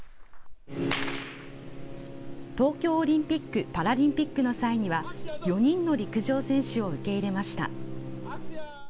東京オリンピック・パラリンピックの際には、４人の陸上選手を受け入れました。